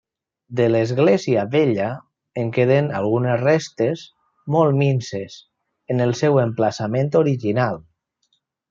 De l'església vella, en queden algunes restes, molt minses, en el seu emplaçament original.